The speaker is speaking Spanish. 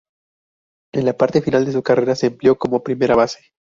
En la parte final de su carrera, se empleó como primera base.